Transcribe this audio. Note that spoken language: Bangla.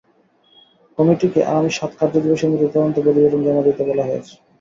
কমিটিকে আগামী সাত কার্যদিবসের মধ্যে তদন্ত প্রতিবেদন জমা দিতে বলা হয়েছে।